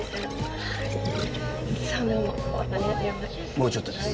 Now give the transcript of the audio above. もうちょっとです。